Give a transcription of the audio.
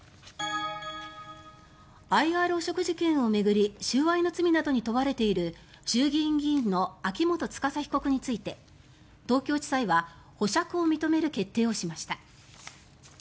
ＩＲ汚職事件などを巡り収賄の罪などに問われている衆議院議員の秋元司被告について東京地裁は保釈を認める決定をしました。